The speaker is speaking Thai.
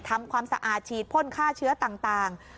ทำความสะอาดฉีดพ่นฆ่าเชื้อต่าง